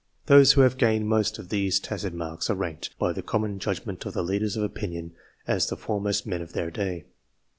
Those who have gained most of these tacit marks are ranked, by the common judgment of the leaders of opinion, as the foremost men of their day.